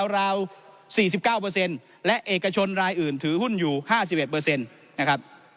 ราว๔๙เปอร์เซ็นต์และเอกชนรายอื่นถือหุ้นอยู่๕๑เปอร์เซ็นต์นะครับ